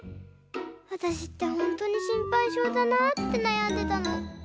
わたしってほんとに心配性だなってなやんでたの。